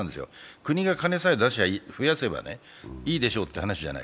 国が金さえ増やせばいいでしょうという話ではない。